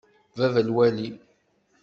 Baba lwali.